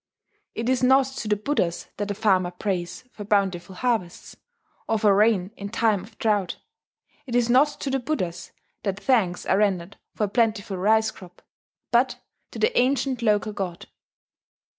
It is not to the Buddhas that the farmer prays for bountiful harvests, or for rain in time of drought; it is not to the Buddhas that thanks are rendered for a plentiful rice crop but to the ancient local god.